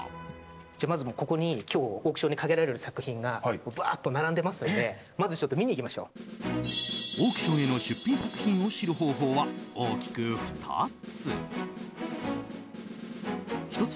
まず、ここに今日オークションにかけられる作品がバーっと並んでますんでオークションへの出品作品を知る方法は大きく２つ。